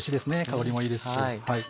香りもいいですし。